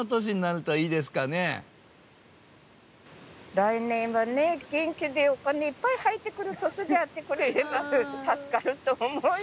来年はね元気でお金いっぱい入ってくる年であってくれれば助かると思うよ。